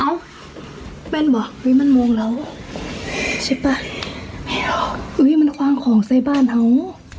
เอ้าเป็นเหรอมันมวงแล้วใช่ป่ะมันความของใส่บ้านเหรอ